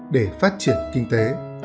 để phát triển kinh tế